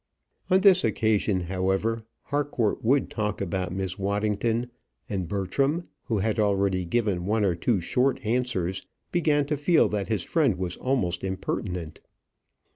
On this occasion, however, Harcourt would talk about Miss Waddington, and Bertram, who had already given one or two short answers, began to feel that his friend was almost impertinent.